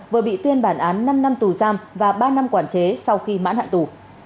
vừa bị tuyên bản án năm năm tù giam và ba năm quản chế sau khi mãn hạn tù